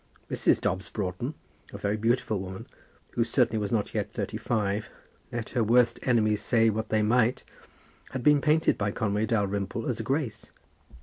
Mrs. Dobbs Broughton, a very beautiful woman, who certainly was not yet thirty five, let her worst enemies say what they might, had been painted by Conway Dalrymple as a Grace.